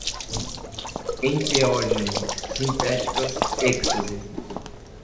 enteógeno, sintéticas, êxtase